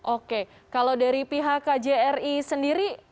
oke kalau dari pihak kjri sendiri